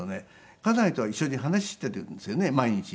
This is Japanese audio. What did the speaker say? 家内とは一緒に話をしていたんですよね毎日。